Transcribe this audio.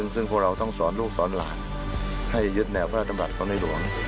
ซึ่งพวกเราต้องสอนลูกสอนหลานให้ยึดแนวพระราชดำรัฐของในหลวง